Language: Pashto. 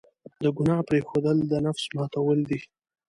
د ګناه پرېښودل، د نفس ماتول دي.